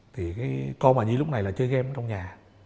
thì cái con bà nhi lúc này là chơi game trong nhà